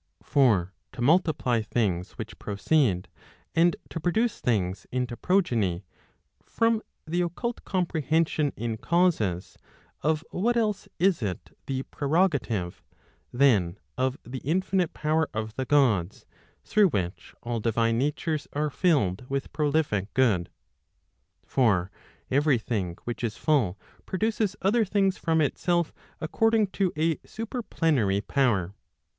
For to multiply things which proceed, and to produce things into progeny, from the occult comprehension in causes, of what else is it the prerogative, than of the infinite power of the Gods, through which all divine natures are filled with prolific good ? For every thing which is full Digitized by Google. _ PROP. CLIII. OF THEOLOGY. 403 produces other things from itself according to a super plenary power.